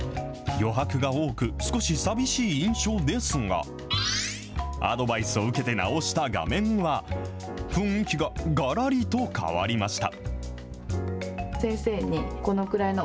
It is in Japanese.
余白が多く、少し寂しい印象ですが、アドバイスを受けて直した画面は、雰囲気ががらりと変わりました。